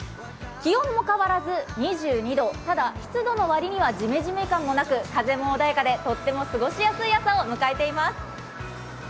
気温も変わらず２２度、ただ湿度のわりには、ジメジメ感もなく、風も穏やかでとっても過ごしやすい朝を迎えています。